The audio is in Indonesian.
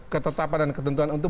ketetapan dan ketentuan